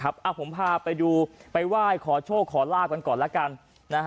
ผมพาไปดูไปไหว้ขอโชคขอลาบกันก่อนแล้วกัน